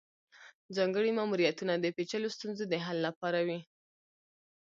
ځانګړي ماموریتونه د پیچلو ستونزو د حل لپاره وي